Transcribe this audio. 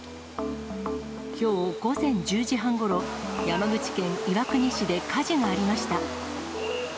きょう午前１０時半ごろ、山口県岩国市で火事がありました。